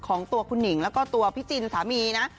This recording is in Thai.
ของคุณหนิงและพี่จินสามีนะ